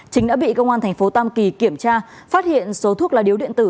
chính đã bị công an thành phố tam kỳ kiểm tra phát hiện số thuốc lá điếu điện tử